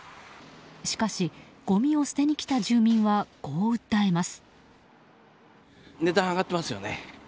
しかし、ごみを捨てに来た住民はこう訴えます。